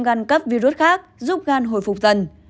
gan cấp virus khác giúp gan hồi phục dần